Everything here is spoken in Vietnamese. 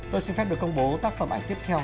tôi xin phép được công bố tác phẩm ảnh tiếp theo